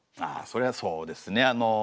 ああそれはそうですねえ